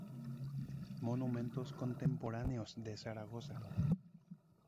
Monumentos contemporáneos de Zaragoza